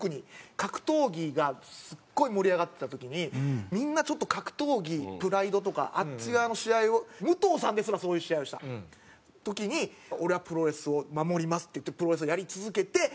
格闘技がすっごい盛り上がってた時にみんなちょっと格闘技ＰＲＩＤＥとかあっち側の試合を武藤さんですらそういう試合をした時に「俺はプロレスを守ります」って言ってプロレスをやり続けて。